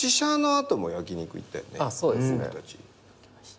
行きました。